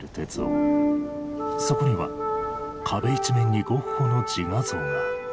そこには壁一面にゴッホの自画像が。